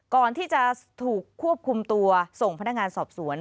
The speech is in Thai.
ก่อนที่จะถูกควบคุมตัวส่งพนักงานสอบสวน